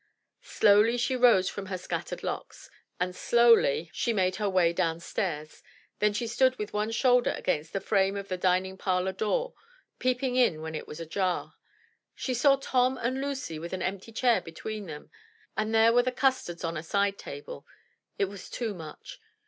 Slowly she rose from her scattered locks, and slowly she made 225 M Y BOOK HOUSE her way down stairs. Then she stood with one shoulder against the frame of the dining parlor door, peeping in when it was ajar. She saw Tom and Lucy with an empty chair between them, and there were the custards on a side table; it was too much.